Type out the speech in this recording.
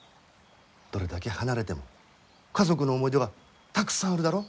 どれだけ離れても家族の思い出がたくさんあるだろ。